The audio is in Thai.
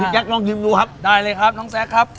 ยักษ์ลองกินดูครับได้เลยครับน้องแซ็คครับ